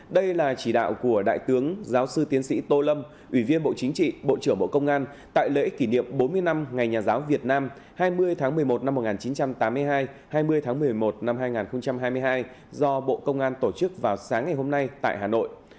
đây là chỉ đạo của đại tướng giáo sư tiến sĩ tô lâm ủy viên bộ chính trị bộ trưởng bộ công an tại lễ kỷ niệm bốn mươi năm ngày nhà giáo việt nam hai mươi tháng một mươi một năm một nghìn chín trăm tám mươi hai hai mươi tháng một mươi một năm hai nghìn hai mươi hai do bộ công an tổ chức vào sáng ngày hôm nay tại hà nội